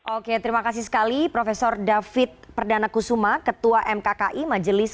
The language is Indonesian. oke terima kasih sekali prof david perdana kusuma ketua mkki majelis